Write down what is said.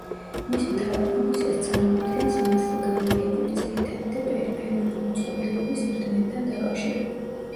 მის მთავარ ფუნქციას წარმოადგენს მასზე განლაგებული ძირითადი და პერიფერიული მოწყობილობების ერთმანეთთან დაკავშირება.